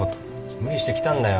無理して来たんだよ。